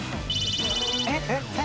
えっ？